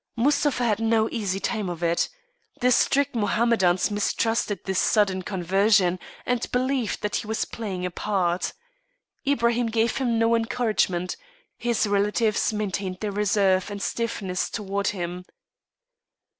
Mustapha had no easy time of it. The strict Mohammedans mistrusted this sudden conversion, and believed that he was playing a part. Ibraim gave him no encouragement. His relatives maintained their reserve and stiffness towards him.